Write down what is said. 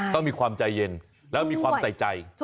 ต้องมีความใจเย็นแล้วมีความใส่ใจ